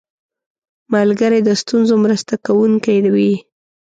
ملګری د ستونزو مرسته کوونکی وي